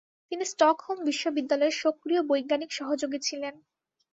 তিনি স্টকহোম বিশ্ববিদ্যালয়ের সক্রিয় বৈজ্ঞানিক সহযোগী ছিলেন।